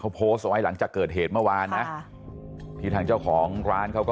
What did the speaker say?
อาฟังเสียงหน่อย